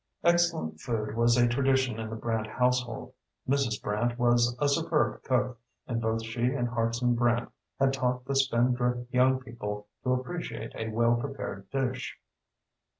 Excellent food was a tradition in the Brant household. Mrs. Brant was a superb cook, and both she and Hartson Brant had taught the Spindrift young people to appreciate a well prepared dish.